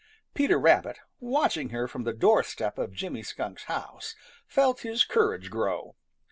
Peter Rabbit, watching her from the doorstep of Jimmy Skunk's house, felt his courage grow.